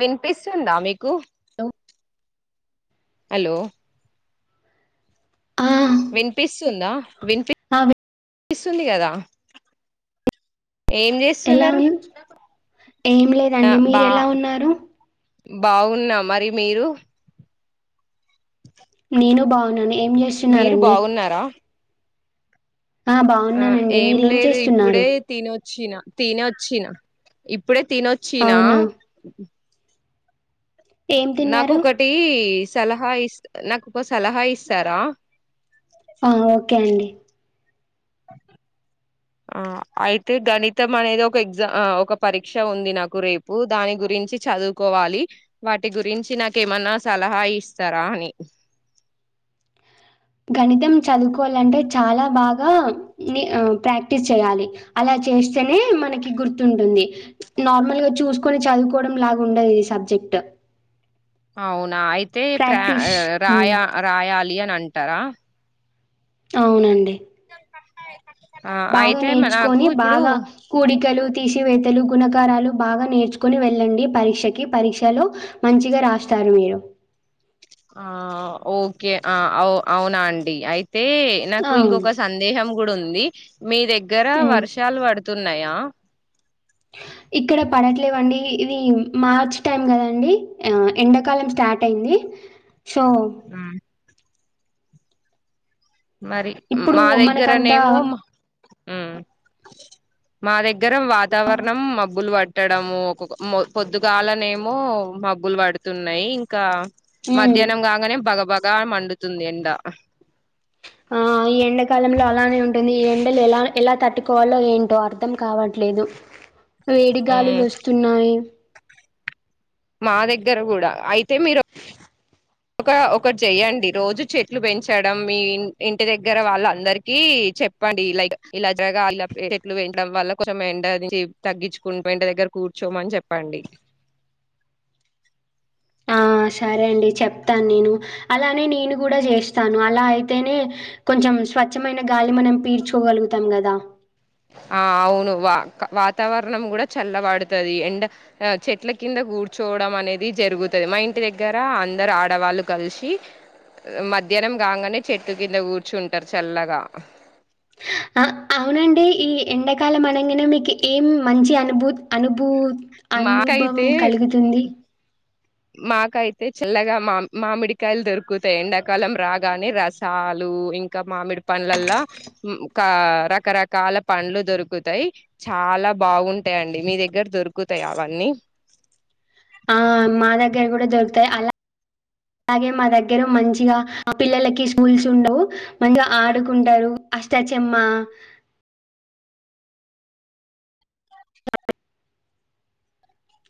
వినిపిస్తుందా మీకు hello hello ఆ వినిపిస్తుందా వినిపి ఆ వినిపిస్తుంది కదా ఏం ఎలా చేస్తున్నారు ఉ ఏం ఆ లేదండి బా మీరు ఎలా ఉన్నారు బాగున్నా మరి మీరు నేను బాగున్నాను ఏం మీరు చేస్తున్నారండి బాగున్నారా ఆ బాగున్నానండి ఏం మీరేం లేదు చేస్తున్నారు ఇప్పుడే తినొచ్చిన తినొచ్చిన ఇప్పు ఇప్పుడే తినొచ్చిన అవునా ఏం నాకు తిన్నారు ఒకటి సలహా ఇస్ నాకు ఒక సలహా ఇస్తారా ఆ ఓకే అండి ఆ అయితే గణితం అనేది ఒక ఎగ్జామ్ ఒక పరీక్ష ఉంది నాకు రేపు దాని గురించి చదువుకోవాలి వాటి గురించి నాకు ఏమన్నా సలహా ఇస్తారా అని గణితం చదువుకోవాలంటే చాలా బాగా ప్రాక్టీస్ చేయాలి అలా చేస్తే ఐతనే మనకి గుర్తుంటుంది నార్మల్ గా చూ కొన్ని చదువుకోవడం లాగా ఉండది ఇది సబ్జెక్ట్ అవును అయితే ప్ర ప్రాక్టీస్ రా ఉమ్, రాయాలి అని అంటారా అవునండి ఆ బాగా అయితే మ- నాకు నేర్చుకొని ఇప్పుడు బాగా కూడికలు తీసివేతలు గుణకారాలు బాగా నేర్చుకుని వెళ్ళండి పరీక్షకి పరీక్షలో మంచిగా రాస్తారు మీరు ఆ ఓకే ఆ అ అవునా అండి అయి అయితే నాకు ఆ ఇంకొక సందేహం కూడా ఉంది మీ దగ్గర హ్మ్ వర్షాలు పడుతు తున్నాయా ఇక్కడ పడట్లేవండి ఇది మార్చ్ టైమ్ కదండి ఎండాకాలం స్టార్ట్ అయింది సో హు మరి ఇప్పుడు మా మనకంతా దగ్గరనేమో హు మా దగ్గర వాతావరణం మబ్బులు పట్టడము ఒక పొద్దుగాలనే ఏమో మబ్బులు పడుతున్నాయి ఇంకా హ్మ్ మధ్యాహ్నంగా ఆంగనే బాగా బా గా మడుతుంది ఎండ ఆ ఈ ఎండాకాలంలో అలానే ఉంటుంది ఈ ఎండలు ఎలా ఎలా తట్టుకోవాలో ఏంటో అర్థం కావట్లేదు వేడిగాలు లు ఉమ్, వస్తున్నాయి మా దగ్గర కూడా అయితే మీరు ఒక ఒకటి చెయండి రోజు చెట్లు పెంచడం మీ ఇంటి దగ్గర వాళ్ళ అందరికి చెప్పండి లైక్ ఇలా జగా చెట్లు పెంచడం వల్ల కొంచెం ఎండ నుంచి తగ్గించుకుంట ఇంటి దగ్గర కూర్చోమని చెప్పండి ఆ సరే అండి చెప్తాను నేను అలానే నేను కూడా చేస్తాను అలా అయితేనే కొంచెం స్వచ్ఛమైన గాలి మనం పీడ్చకోగలుగుత్ తం గదా ఆ అవును వ వాతావరణం గుడ చల్ల పడుతది అండ్ చెట్ల కింద కూర్చోవడం అనేది జరుగుతుది, మా ఇంటి దగ్గర అందరు ఆడవాళ్ళు కలిసి మధ్యాహ్నం కాంగనే చెట్టు కింద కూర్చుంటరు చల్లగా అ అవునండి ఈ ఎండాకాలం అనంగానే మీకు ఏం మంచి అనుభూ అనుభూ మాకైతే అనుభవం కలుగుతుంది. మాకైతే చల్లగా మామ్ మామిడికాయలు దొరుకుతయి ఎండాకాలం రాగానే రసాలు ఇంకా మామిడి పండ్లల్ల రకరకాల పండ్లు దొరుకుతయి, చాలా బాగుంటయండి మీ దగ్గర దొరుకుతయవన్నీ ఆ మాదగ్ దగ్గ కూడా దరుగుతయి అలా గే మా దగ్గర మంచిగా పిల్లలకి స్కూల్స్ ఉండవు, మంచిగా ఆడుకుంటరు అష్టచమ్మ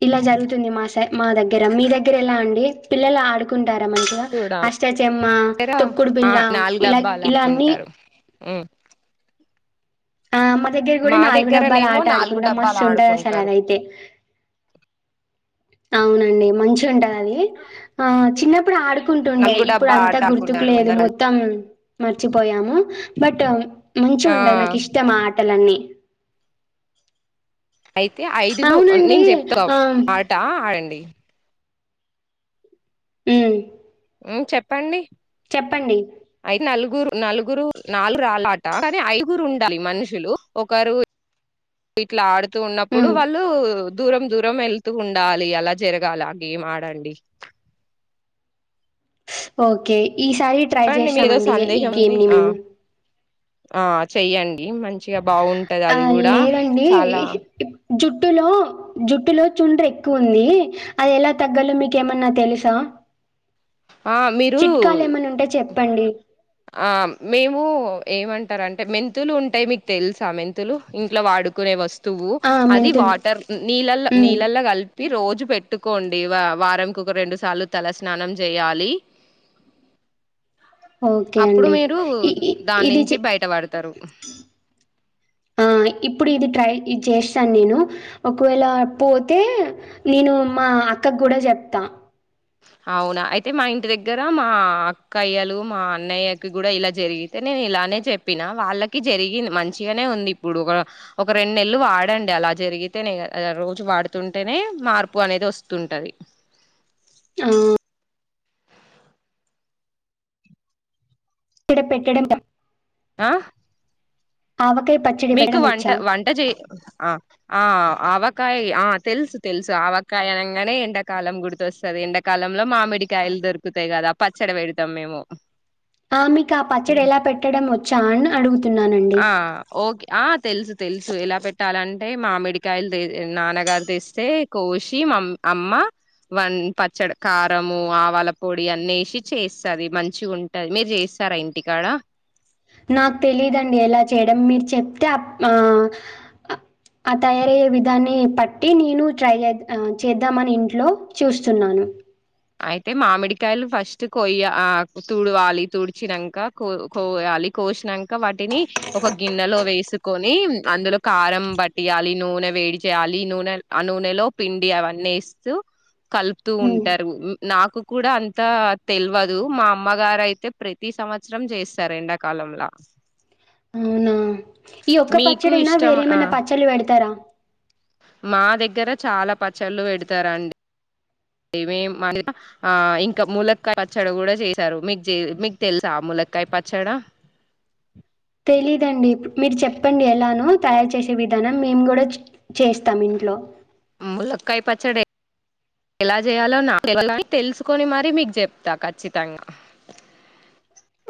ఇలా జరుగుతుంది మాసై మా దగ్గర మీ దగ్గర ఎలా అండి? పిల్లలు ఆడుకుంట టార మంచిగా, కూడా అష్టాచమ్మ, దగ్గర తొక్కుడు ఆ బిల్ల, నాలుగు ఇలా డబ్బాలు ఇలా అన్ని ఆడుకుంటారు ఉమ్ ఆ అమ్మ దగ్గర కూడా మా నాలుగు డబ్బాలు దగ్గరనేమో ఆట నాలుగు ఆడుకుంటం, డబ్బాలు మస్తు ఉంటదసలు ఆడుకుంటారు అదైతే. అవునండి మంచి చూ ఉంటది అది, ఆ చిన్నప్పుడు ఆడుకుంటుండే నలుగు ఇప్పుడు డబ్బా అంతా ఆట గుర్తుకు ఆడుకుంటారు లేదు అందరు కలిసి. మొత్తం మర్చిపోయాము, బట్ మంచి ఆ ఉంటది నాకు ఇష్టం ఆ ఆటలన్నీ. అయితే ఐదుగురు అవునండి నేను చెప్తా ఆ ఆట ఆడండి. ఉమ్ ఉమ్ చెప్పండి చెప్పండి అయితే నలుగురు నలుగురు నాలుగు రాళ్ల ఆట, కానీ ఐగురు ఉండాలి మనుషులు. ఒకరు ఇట్లా ఆడు తూ ఉన్నప్పుడు ఉమ్ వాళ్ళు దూరం దూరం వెళ్తూ ఉండాలి అలా జరగాలి, ఆ గేం ఆడండి. స్ ఓక్ కే ఈసారి ట్రై చెప్పండి మీదో చేశామండి ఈ సందేహం ఉంది గేమ్ని ఆ మేము ఆ చెయ్యండి మంచి చిగా బాగుంటది ఆ! అది గుడ చాలా ట్టులో జుట్టులో చుండ్ర ఎక్కువ ఉంది, అది ఎలా తగ్గాలో మీకేమన్నా తెలుసా? ఆ మీరు పండి ఆ మేము ఏమంటారంటే మెంతులు ఉంటయి, మీకు తెలుసా మెంతులు ఇంట్లో వాడుకునే వస్ తువు ఆ! అది మెంతులు వాటర్ నీళ్ళల్లో హ్మ్. నీళ్ళల్లో కల్ కి రోజు పెట్టుకోండి, వ వారంకి ఒక రెండు సార్లు తల స్నానం జేయాలి. ఓకే అంటడి ఈ ఇ ఇ ఇది నుంచి చి బయటపడతారు ఆ ఇప్ ఇప్పుడు ఇది ట్రై ఇది చేస్తను నేను, ఒకవేళ పోతే నేను మా అక్కకు కూడా చెప్తా. అవునా అయితే మా ఇంటి దగ్గర మా అక్కయ్యలు మా అన్నయ్యకి కూడా ఇలా జరిగితే నేను ఇలానే చెప్పినా, వాళ్ళకి జరిగింది మంచిగానే ఉంది ఇప్పుడు. వ ఒక రెండు నెలలు వాడండి అలా జరిగితేనే గద రోజు వాడుతుంటేనే మార్పు అనేది వస్తుంటది. ఆ ఇడ పెట్టడం ఆ ఆవకాయ పచ్చడి మీకు పెట్టడం వంట వచ్చా? వంట చేయ్ ఆ ఆ ఆవ కాయ్ ఆ తెలుసు తెలుసు ఆవకాయ అనంగానే ఎండాకాలం గుర్తొస్తది ఎండాకాలంలో మామిడికాయలు దొరుకుతాయి కదా పచ్చడి పెడుతాం మేము ఆ మీకాపచ్చడ ఎలా పెట్టడం ఒ చ్చన అడుగుతు ఆ ఓకే ఆ తెలుసు తెలుసు ఎలా పెట్టాలంటే మామిడికాయలు తే నాన్నగారు తెస్తే కోసి మా అమ్మ వం పచ్చడ్ కారము ఆవల పొడి అన్నేసి చేస్తది మంచిగుంటది మీరు చేస్తారా ఇంటికాడ నాకు తెలీదండి ఎలా చేయడం మీరు చెప్తే ఆప్ ఆ ఆ తయారే విధాన్ని బట్టి నేను ట్రై చె చేద్దామని ఇంట్లో చూస్తున్నాను అయితే మామిడికాయలు ఫస్ట్ కొయ్య ఆ తుడవాలి తుడిచినంక కో కోయాలి కోసినంక వాటిని ఒక గిన్నెలో వేసుకొని అందులో కారం పట్టయాలి నూనె వేడి చేయాలి నూనె ఆ నూనెలో పిండి అవన్నస్తూ కలుపుతూ హ్మ్ ఉంటార్ నాకు కూడా అంతా తెల్వదు మా అమ్మగారైతే ప్రతి సంవత్సరం చేస్తారు ఎండాకాలంలా అవునా ఈ ఒక్క మీకు పచ్చడిైనా ఇష్టం ఆ వేరేమైనా పచ్చళ్ళు పెడుతారా మా దగ్గర చాలా పచ్చళ్ళు పెడతారండి మేం ఆ ఇంకా ములక్కాయ పచ్చడి కూడా చేసారు మీక్ చె మీకు తెలుసా ములక్కాయ పచ్చడ తెలీదండి మీరు చెప్పండి ఎలానో తయారు చేసే విధానం మేము కూడా చ్ చేస్తాం ఇంట్లో ములక్కయ పచ్చడి ఎలా చేయాలో నాకు తెలుసుకొని మరి మీకు చెప్తా ఖచ్చితంగా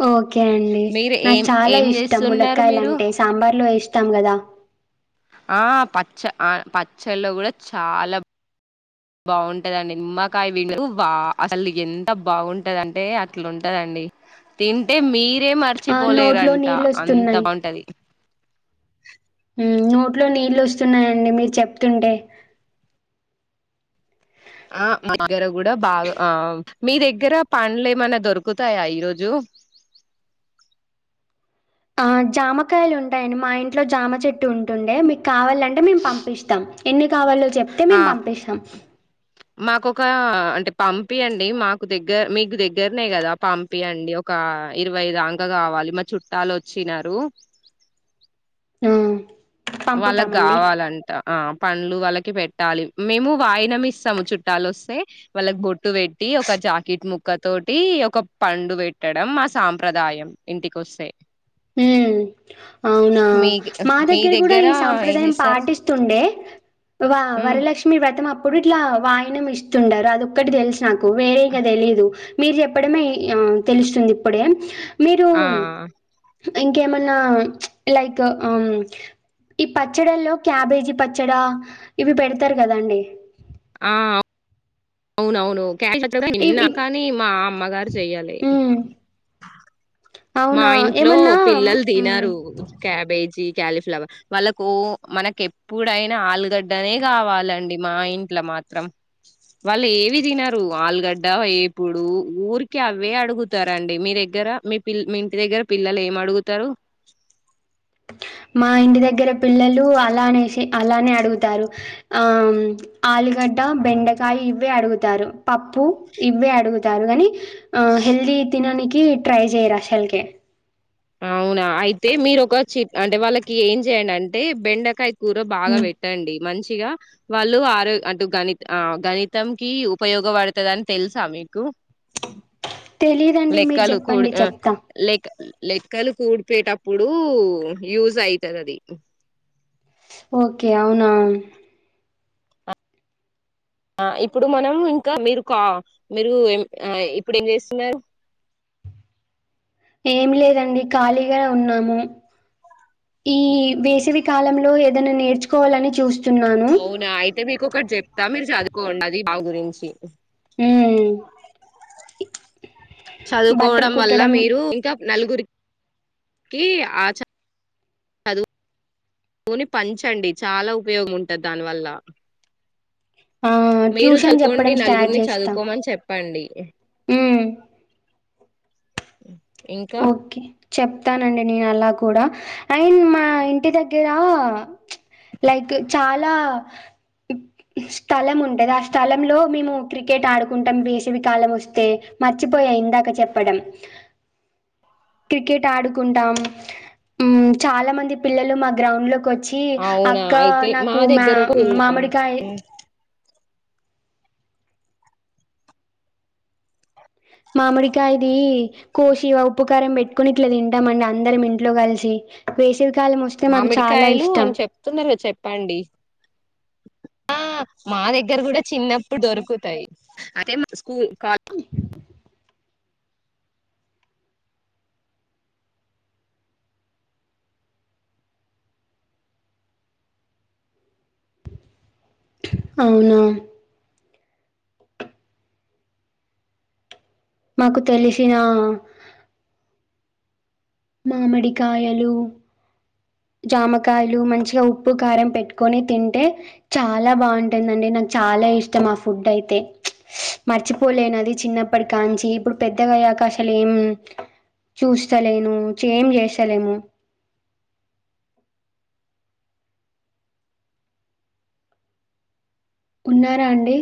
ఓకే అండి మీరు నాకు ఏం చాలా ఏం ఇష్టం చేస్తున్నారు ములక్కయలు మీరు అంటే సాంబార్లో ఎస్ స్తాం కదా ఆ పచ్చ ఆ పచ్చళ్ళు కూడా చాలా బాగుంటదండి నిమ్మకాయ విండు వా అసలు ఎంత బాగుంటదంటే అట్లుటదండి తింటే మీర్ రే ఆ నోట్లో మర్చిపోలేరంట నీళ్ళు అంత వస్తున్నాయి బాగుంటది హు నోట్లో నీళ్ళోస్తున్నాయండి మీరు చెప్తుంటే ఆ మా దగ్గర కూడా బాగా ఆ మీ దగ్గర పండ్లు ఏమన్నా దొరుకుతాయా ఈరోోజు ఆ జామకాయలు ఉంటాయండి మా ఇంట్లో జామ చెట్టు ఉంటుండే మీక్ కావాలంటే మేము పంపిస్తాం ఎన్ని కావాలో చెప్తే మేము పంపిస్తాం మాకుకొక అంటే పంపియండి మాకు దగ్గ మీకు దగ్గరనే కదా పంపియండి ఒక ఇరవైదంక కావాలి మా చుట్టాలోచ్చినారు ఆ పంపుతామండి. వాళ్ళక్కవాలంట ఆ పండ్లు వాళ్ళకి పెట్టాలి మేము వాయినం ఇస్తాము చుట్టాలు వస్తే వాళ్ళకి బొట్టు పెట్టి ఒక జాకెట్ ముక్క తోటి ఒక పండు పెట్టడం మా సాంప్రదాయం ఇంటికిొస్తే హుమ్మ్ అవునా మీక్ మా మీ దగ్గర కూడ్ ఈ ఏం సాంప్రదాయం జేస్తారు? పాటిస్తుండే వా హ్మ్ వరలక్ష్మి వ్రతం ఆ ప్పుడు ఇట్లా వాయనం ఇస్తుంటారు అదొక్కటి తెలుసు నాకు వేరే క తెలీయదు మీరు చెప్పడమే తెలుస్తుంది ఇప్పుడే మీరు ఆ ఇంకేమన్నా లైక్ ఈ పచ్చడిల్లో క్యాబేజీ పచ్చడా ఇవి పెడతారు కదాండి ఆ అవునవును ఇవ్ నిన్న ఇవ్ కానీ మా అమ్మగారు చెయ్యాలి హ్మ్ మా అవునా ఇంట్లో ఏమన్నా పిల్లలు హ్మ్ తినరు క్యాబేజ్ క్యాలీఫ్లవర్ వాళ్ళకు మనకి ఎప్పుడైనా ఆలుగడ్డనే కావాలండి మా ఇంట్లో మాత్రం వాళ్ళు ఏవి తినరు ఆలుగడ్డ ఎప్పుడు ఊరికి అవే అడుగుతారండి మీ దగ్గర మీ పిల్ ఇంటి దగ్గర పిల్లలు ఏం అడుగుతారు మా ఇంటి దగ్గర పిల్లలు అలానేసి అలానే అడుగుతారు ఆ ఆలుగడ్డ బెండకాయ ఇవ్వే అడుగుతారు పప్పు ఇవ్వే అడుగుతారు కాని ఆ హెల్తీ తిననికి ట్రై చేయరా ఆశల్కె అవునా అయితే మీరు ఒక చిట్ అంటే వాళ్ళకి ఏం చెయ్యడి అంటే బెండకయి కూర బాగా హ్మ్ పెట్టండి మంచి ఇక వాళ్ళు ఆరో అటు గణి గణితం కు ఉపయోగపడుతుంది అని తెలుసా మీకు తెలిదండి మీరు లెక్కలు కూడి చెప్పండి ఆ చెప్తా లెక్క లెక్కలు కూడిపోయటప్పుడు యూజ్ అయితది అది ఓకే అవునా ఆ ఇప్పుడు మనం ఇంకా మీరు కా మీరు ఇప్పుడు ఏం చేస్తున్నారు ఏమి లేదండి ఖాళీగా ఉన్నాము ఈ వేసవి కాలంలో ఏదైనా నేర్చుకోవాలని చూస్త అవునా అయితే మీకుొ కటి చెప్ త మీరు చదువుకోండి బా గురించి మ్మ్ బట్టలు చదువుకోవడం వల్ల కుట్టడం మీరు ఇంకా నలుగురికి కి ఆ లోని పంచండి చాలా ఉపయోగం ఉంటది దాని వల్ల ఆ మీరు ట్యూషన్ చదుకోండి చెప్పడం స్టార్ట్ నలుగురిని చేస్తా చదువుకోమని చెప్పండి మ్మ్ అ ఓకే చెప్తానండి నేను అలా కూడా అండ్ మా ఇంటి దగ్గర లైక్ చాలా స్థలం ఉంటది ఆ స్థలంలో మేము క్రికెట్ ఆడుకుంటాం వేసవికాలం వస్తే మర్చిపోయా ఇందాక చెప్పడం క్రికెట్ ఆడుకుంటాం చాలా మంది పిల్లలు మా గ్రౌండ్ లోకి వచ్చ వచ్చి అవునా అక్క అయితే నాకు మా దగ్గర ఒక ఉల్ మామిడికాయ ఆ మామిడి కాయది కోసి వ ఉప్పుకారం పెట్టుకొని తింటాంమండి అందరం ఇంట్లో కలిసి విసు మామిడికాయలు అని చెప్తున్నారు మీర్ చెప్పండి ఆ మా దగ్గర కూడా చిన్నప్పుడు దొరుకుతాయ్ అదే మా స్కూల్ కాల్ అవునా మాకు తెలిసినా మామిడి కాయలు జామకాయలు మంచిగా ఉప్పు కారం పెట్టుకొని తింటే చాలా బాగుంటుందండి, నాకు చాలా ఇష్టం ఆ ఫుడ్ అయితే మర్చిపోలేను అది చిన్నప్పటి కాంచి ఇప్పుడు పెద్దగా అయ్యాక అసలు ఏమ్ చూస్తలేను ఏం చేస్తలేము. ఉన్నారా అండి